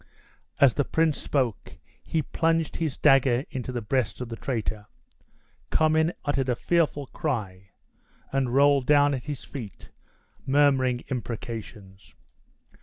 As the prince spoke he plunged his dagger into the breast of the traitor. Cummin uttered a fearful cry, and rolled down at his feet murmuring imprecations.